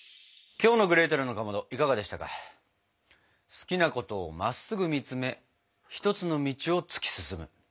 好きなことをまっすぐ見つめ一つの道を突き進む。